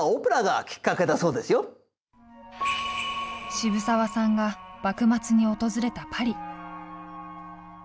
渋沢さんが幕末に訪れたパリ。